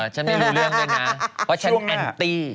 ฉันไม่รู้เรื่องด้วยนะเพราะฉันแอนตี้